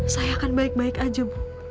saya akan baik baik aja bu